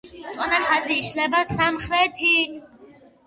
მწვანე ხაზი იშლება სამხრეთით.